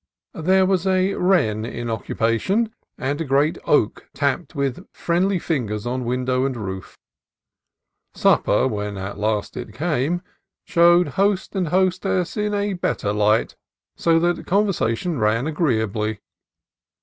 There was a wren in occupation, and a great oak tapped with friendly ringers on win dow and roof. Supper, when at last it came, showed host and hostess in a better light, so that conversa tion ran agreeably.